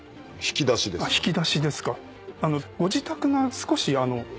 引き出しですか。